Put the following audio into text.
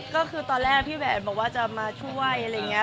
ก็คือตอนแรกพี่แหวนบอกว่าจะมาช่วยอะไรอย่างนี้